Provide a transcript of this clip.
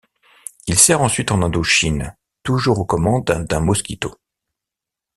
Il sert ensuite en Indochine, toujours aux commandes d'un Mosquito.